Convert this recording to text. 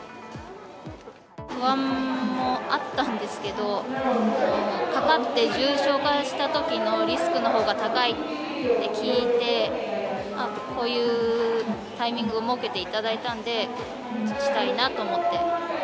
不安もあったんですけれども、かかって重症化したときのリスクのほうが高いって聞いて、こういうタイミングを設けていただいたんで、打ちたいなと思って。